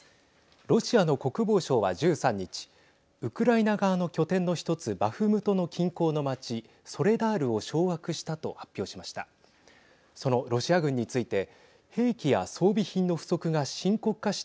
ロシアの国防省は１３日ウクライナ側の拠点の１つバフムトの近郊の町ソレダールを掌握したと発表しました。